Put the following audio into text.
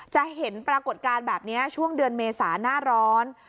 จะเห็นปรากฏการณ์แบบนี้ช่วงเดือนเมษาหน้าร้อน